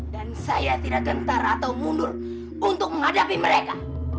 dan saya tidak gentar atau mundur untuk menghadapi mereka